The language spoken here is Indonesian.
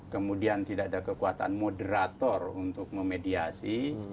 kemudian tidak ada kekuatan moderator untuk memediasi